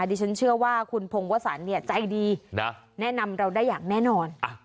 ดิฉันเชื่อว่าคุณพงวสันใจดีแนะนำเราได้อย่างแน่นอน